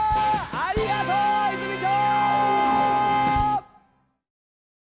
ありがとう藍住町！